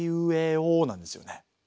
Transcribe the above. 「お」なんですよね。